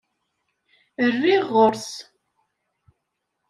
Rriɣ ɣer-s.